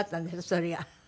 それが。